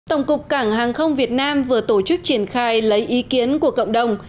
tổng cục cảng hàng không việt nam vừa tổ chức triển khai lấy ý kiến của cộng đồng